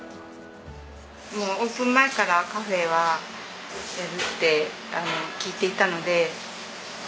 もうオープン前からカフェはやるって聞いていたのではい。